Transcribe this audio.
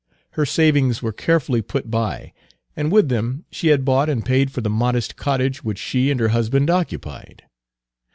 Her savings were carefully put by, and with them she had bought and paid for the modest cottage which she and her husband occupied.